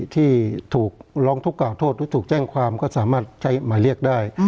ที่ถูกร้องทุกข่าโทษหรือถูกแจ้งความก็สามารถใช้หมายเรียกได้